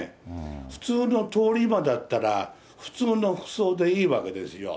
普通の通り魔だったら、普通の服装でいいわけですよ。